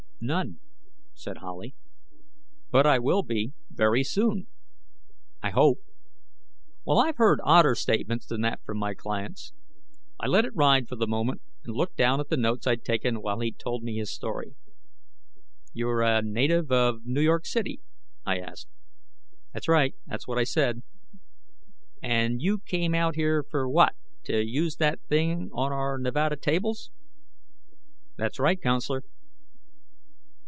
"None," said Howley. "But I will be very soon. I hope." Well, I've heard odder statements than that from my clients. I let it ride for the moment and looked down at the notes I'd taken while he'd told me his story. "You're a native of New York City?" I asked. "That's right. That's what I said." "And you came out here for what? To use that thing on our Nevada tables?" "That's right, counselor."